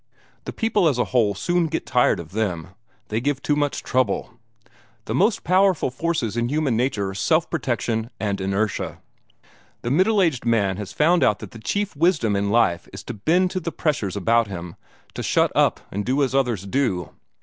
The people as a whole soon get tired of them. They give too much trouble. The most powerful forces in human nature are self protection and inertia. The middle aged man has found out that the chief wisdom in life is to bend to the pressures about him, to shut up and do as others do.